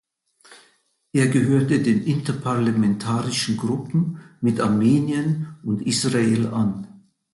Er gehörte den interparlamentarischen Gruppen mit Armenien und Israel an.